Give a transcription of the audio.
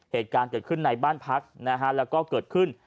เหตุการณ์เกิดขึ้นในบ้านพักนะฮะแล้วก็เกิดขึ้น